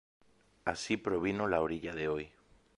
Así provino la orilla de hoy.